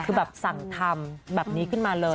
คือแบบสั่งทำแบบนี้ขึ้นมาเลย